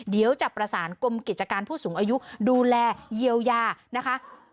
เดี๋ยวจะประสานกรมกิจการผู้สูงอายุดูแลเยียวยานะคะ